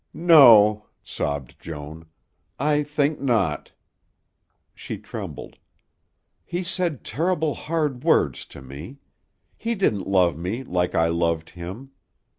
"No," sobbed Joan; "I think not." She trembled. "He said terrible hard words to me. He didn't love me like I loved him.